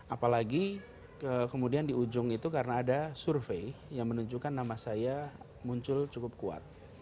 apalagi kemudian di ujung itu karena ada survei yang menunjukkan nama saya muncul cukup kuat